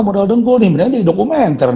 modal dengkul nih sebenarnya jadi dokumenter